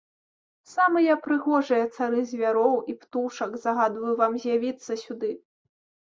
Самыя прыгожыя цары звяроў і птушак, загадваю вам з'явіцца сюды!